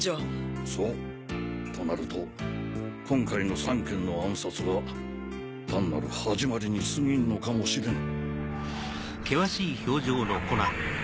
そうとなると今回の３件の暗殺は単なる始まりにすぎんのかもしれん。